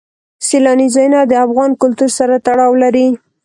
سیلانی ځایونه د افغان کلتور سره تړاو لري.